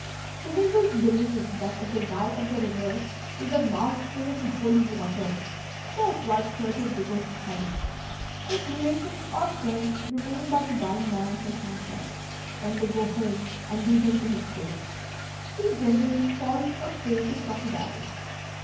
The Hindoos believe that if they die at the river with their mouths full of the holy water, they are quite certain to go to heaven. His relations or friends remain by the dying man till sunset, when they go home, and leave him to his fate. He generally falls a prey to crocodiles.